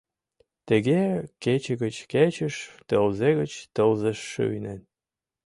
Тыге кече гыч кечыш, тылзе гыч тылзыш шуйнен.